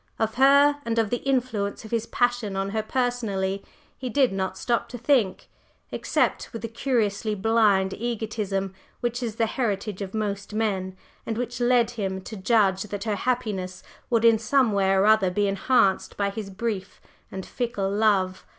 Of her, and of the influence of his passion on her personally, he did not stop to think, except with the curiously blind egotism which is the heritage of most men, and which led him to judge that her happiness would in some way or other be enhanced by his brief and fickle love.